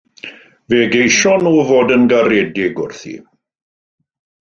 Fe geision nhw fod yn garedig wrthi.